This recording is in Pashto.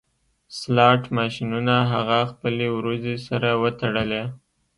سلاټ ماشینونه هغه خپلې وروځې سره وتړلې